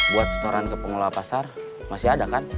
buat setoran ke pengelola pasar masih ada kan